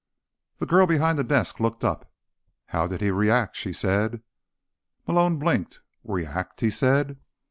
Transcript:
The girl behind the desk looked up. "How did he react?" she said. Malone blinked. "React?" he said.